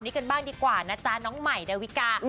นี่กันบ้างดีกว่านะจ๊ะน้องใหม่ดาวิกา